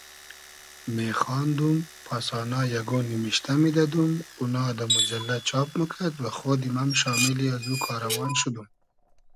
میخاندوم پاسانا یئگۉ نیمیشتۂ میدئدوم اونا دۂ موجئللۂ چاب موکئد وخۉدیم ام شامیلی از او کاروان شودوم